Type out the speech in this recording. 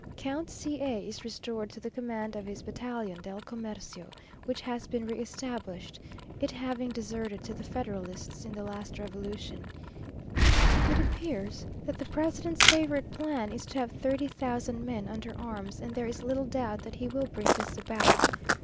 Count C a is restored to the command of his battalion del Comercio, which has been re established (it having deserted to the federalists in the last revolution). It appears that the president's favourite plan is to have thirty thousand men under arms; and there is little doubt that he will bring this about.